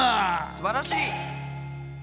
すばらしい！